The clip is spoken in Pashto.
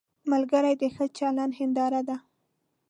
ملګری د ښه چلند هنداره ده